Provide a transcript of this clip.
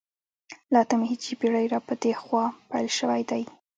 له اتمې هجرې پېړۍ را په دې خوا پیل شوی دی